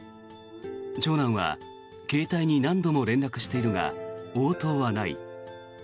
長男は携帯に何度も連絡しているが応答はない。